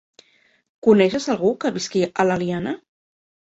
Coneixes algú que visqui a l'Eliana?